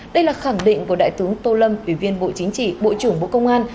đây là khẳng định của đại tướng tô lâm ủy viên bộ chính trị bộ trưởng bộ công an